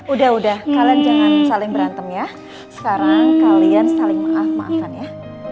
udah udah kalian jangan saling berantem ya sekarang kalian saling maaf maafan ya